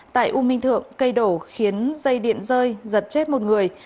tại u minh thượng cây đổ khiến dây điện rơi giật chết một người